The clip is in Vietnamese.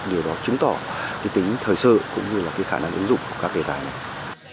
điều đó chứng tỏ cái tính thời sự cũng như là cái khả năng ứng dụng của các đề tài này